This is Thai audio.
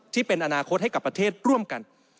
ที่เป็นอนาคตให้กับประเทศร่วมกัน